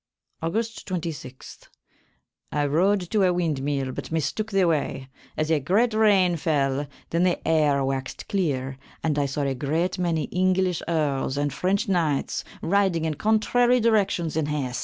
August 26. I rode to a windmill but mistooke the way, as a great rayne fell, then the eyre waxed clere and I saw a great many Englyssh erls and Frenche knyghtes, riding in contrarie directions, in hast.